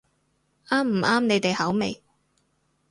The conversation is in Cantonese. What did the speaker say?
啱唔啱你哋口味